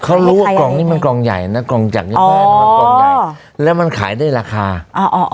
เค้ารู้ว่ากล่องนี้มันกล่องใหญ่นะกล่องจักรยังไงแล้วมันขายได้ราคาอ๋อออ